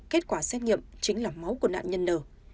kết quả xét nghiệm chính là máu của nạn nhân n